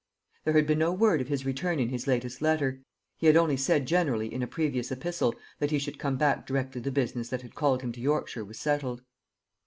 There had been no word of his return in his latest letter; he had only said generally in a previous epistle, that he should come back directly the business that had called him to Yorkshire was settled.